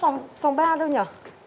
ơ phòng ba đâu nhở